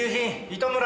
糸村。